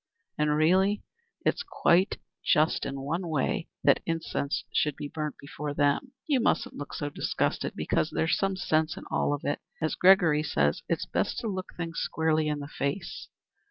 And really, it's quite just in one way that incense should be burnt before them. You mustn't look so disgusted, because there's some sense in it all. As Gregory says, it's best to look things squarely in the face.